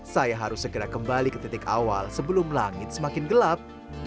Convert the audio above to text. saya harus segera kembali ke titik awal sebelum langit semakin gelap